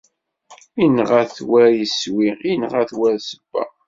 Inɣa-t war-iswi, inɣa-t war-ssebba.